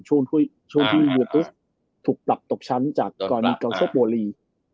ช่วงที่วิวปุ๊กถูกปรับตกชั้นจากกรณีเกาโชปบ่อรี